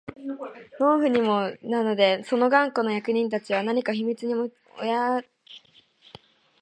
農夫にも痛切なので、その頑固な役人たちは何か秘密の申し合せとか不正とかでもあるのではないかとかぎ廻り、その上、一人の指導者を見つけ出した